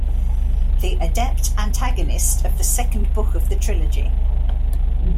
The Adept antagonist of the second book of the trilogy.